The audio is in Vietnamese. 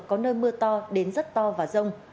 có nơi mưa to đến rất to và rông